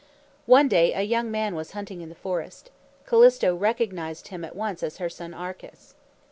One day a young man was hunting in the forest. Callisto recognized him at once as her son Arcas.